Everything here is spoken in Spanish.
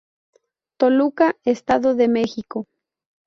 Toluca, Edo.de Mex.